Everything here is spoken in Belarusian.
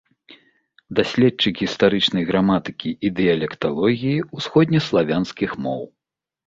Даследчык гістарычнай граматыкі і дыялекталогіі ўсходне-славянскіх моў.